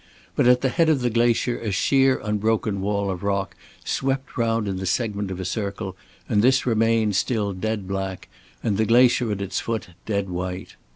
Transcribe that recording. But at the head of the glacier a sheer unbroken wall of rock swept round in the segment of a circle, and this remained still dead black and the glacier at its foot dead white.